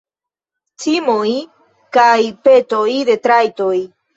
Cimoj kaj petoj de trajtoj.